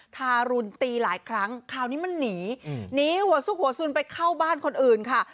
ทารุณตีหลายครั้งคราวนี้มันหนีหนีหัวซุกหัวสุนไปเข้าบ้านคนอื่นค่ะ